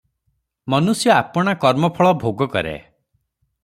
ମନୁଷ୍ୟ ଆପଣା କର୍ମଫଳ ଭୋଗ କରେ ।